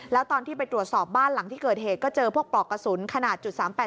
แล้วตอนที่ไปตรวจสอบบ้านหลังที่เกิดเหตุก็เจอพวกปลอกกระสุนขนาด๓๘